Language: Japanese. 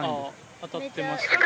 当たってました。